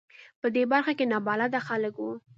په دې برخه کې نابلده خلک و.